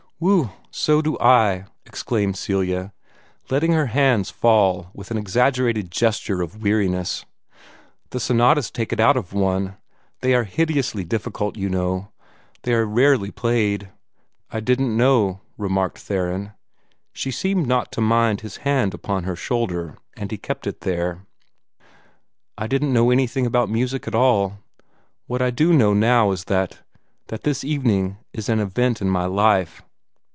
"Whew! so do I," exclaimed Celia, letting her hands fall with an exaggerated gesture of weariness. "The sonatas take it out of one! They are hideously difficult, you know. They are rarely played." "I didn't know," remarked Theron. She seemed not to mind his hand upon her shoulder, and he kept it there. "I didn't know anything about music at all. What I do know now is that that this evening is an event in my life."